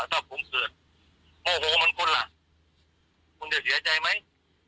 ถ้าผมเกิดโมโหมันคนล่ะคุณจะเสียใจไหม